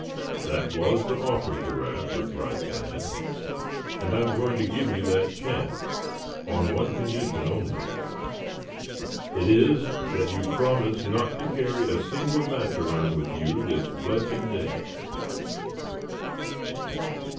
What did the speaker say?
"That was the offer, Giraffe," replied Thad; "and I'm going to give you that chance, on one condition only. It is that you promise not to carry a single match around with you this blessed day."